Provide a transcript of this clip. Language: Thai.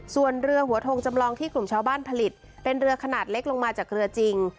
ส่วนเรือหัวทงจำลองที่กลุ่มชาวบ้านผลิตเป็นเรือขนาดเล็กลงมาจากเรือจริง